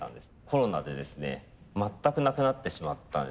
コロナでですね全くなくなってしまったんです